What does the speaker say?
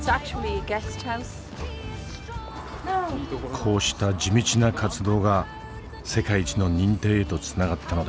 こうした地道な活動が世界一の認定へとつながったのだ。